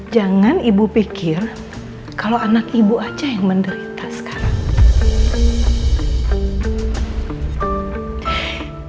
jangan ibu pikir kalau anak ibu aja yang menderita sekarang